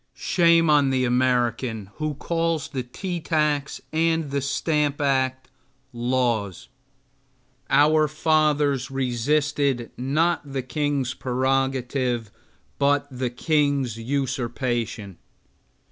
Shame on the American who calls the tea tax and stamp act laws! Our fathers resisted, not the king's prerogative, but the king's usurpation.